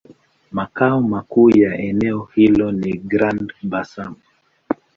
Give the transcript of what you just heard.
Makao makuu ya eneo hilo ni Grand-Bassam.